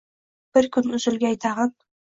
Bir kun uzilgay tayin